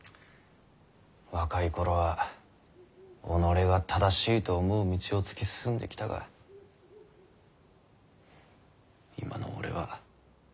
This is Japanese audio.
若い頃は己が正しいと思う道を突き進んできたが今の俺は。